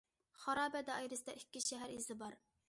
خارابە دائىرىسىدە ئىككى شەھەر ئىزى بار.